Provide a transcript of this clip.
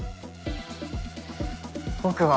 僕は。